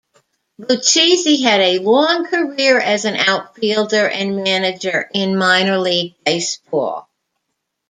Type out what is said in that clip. Lucchesi had a long career as an outfielder and manager in minor league baseball.